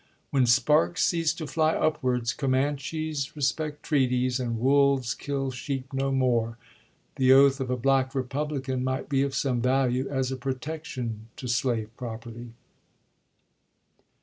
"When sparks cease to fly upwards, Comanches respect treaties, and wolves kill sheep no more, the oath of a Black Republican might be of some value as a protection to slave property.